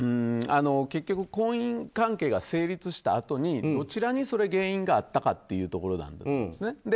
結局婚姻関係が成立したあとにどちらに原因があったかというところなんですね。